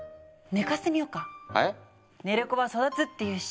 寝る子は育つっていうし。